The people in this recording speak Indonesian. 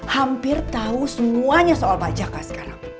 hampir tahu semuanya soal bajakan sekarang